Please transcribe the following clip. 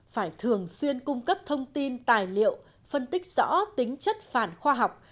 phải thường xuyên cung cấp thông tin tài liệu phân tích rõ tính chất phản khoa học